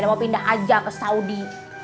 mau pindah aja ke saudi